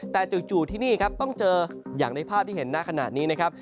แต่จู่ที่นี่ครับต้องเจออย่างในภาพที่เห็นหน้าขณะนี้นะครับ